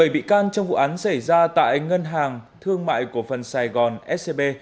bảy bị can trong vụ án xảy ra tại ngân hàng thương mại cổ phần sài gòn scb